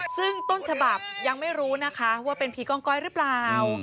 ซึ่งต้นฉบับยังไม่รู้นะคะว่าเป็นผีกองก้อยหรือเปล่า